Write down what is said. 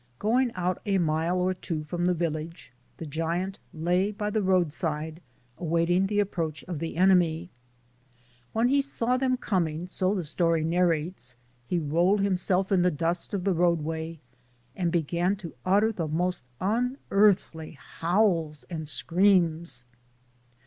Going out a mile or two from the village, the giant lay by the roadside awaiting the approach of the enemy. When he saw them coining, so the story narrates, he rolled himself in the dust of the roadway and began to utter the most unearthly howls and screams.